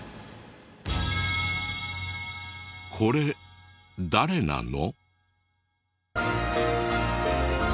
これ誰なの？